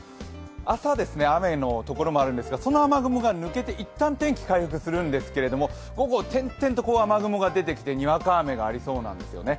朝、雨の所もあるんですが、その雨雲が抜けて一旦、天気が回復するんですけど午後、点々と雨雲が出てきて、にわか雨がありそうなんですよね。